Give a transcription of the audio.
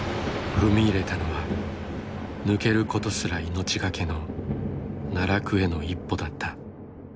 踏み入れたのは抜けることすら命懸けの奈落への一歩だった。